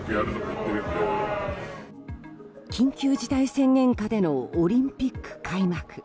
緊急事態宣言下でのオリンピック開幕。